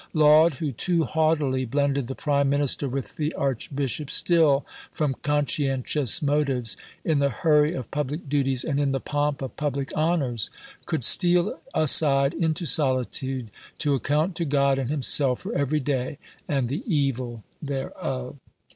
Laud, who too haughtily blended the prime minister with the archbishop, still, from conscientious motives, in the hurry of public duties, and in the pomp of public honours, could steal aside into solitude, to account to God and himself for every day, and "the evil thereof."